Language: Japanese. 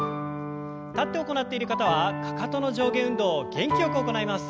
立って行っている方はかかとの上下運動を元気よく行います。